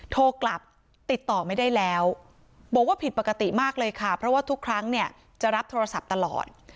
โทรกลับติดต่อไม่ได้แล้วบอกว่าผิดปกติมากเลยค่ะเพราะว่าทุกครั้งเนี่ยจะรับโทรศัพท์ตลอด